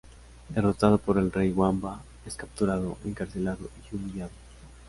Derrotado por el rey Wamba, es capturado, encarcelado y humillado.